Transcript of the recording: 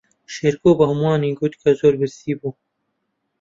شێرکۆ بە ھەمووانی گوت کە زۆر برسی بوو.